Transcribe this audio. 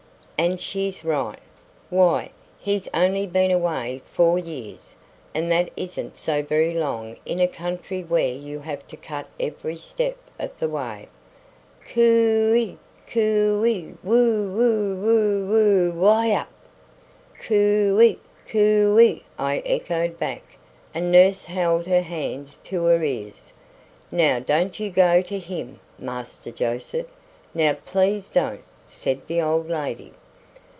"And she's right. Why, he's only been away four years, and that isn't so very long in a country where you have to cut every step of the way." "Cooey cooey woo woo woo woo why yup!" "Cooey cooey!" I echoed back, and nurse held he hands to her ears. "Now don't you go to him, Master Joseph; now please don't," said the old lady.